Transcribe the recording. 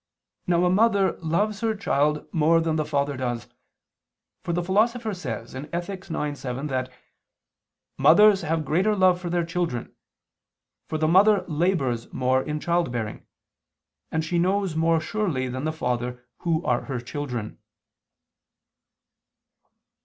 Now a mother loves her child more than the father does: for the Philosopher says (Ethic. ix, 7) that "mothers have greater love for their children. For the mother labors more in child bearing, and she knows more surely than the father who are her children."